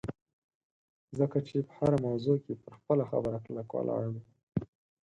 ځکه چې په هره موضوع کې پر خپله خبره کلک ولاړ وي